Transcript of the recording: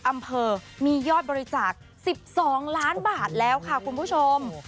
อำเภอมียอดบริจาค๑๒ล้านบาทแล้วค่ะคุณผู้ชม